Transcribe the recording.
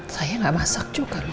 saya nggak masak juga